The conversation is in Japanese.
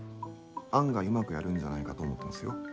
案外うまくやるんじゃないかと思ってますよ。